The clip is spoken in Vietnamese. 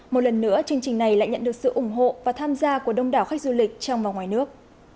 một lần nữa chương trình này lại nhận được sự ủng hộ và tham gia của đông đảo khách du lịch trong và ngoài nước